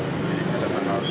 jadi kita tanggal dua puluh enam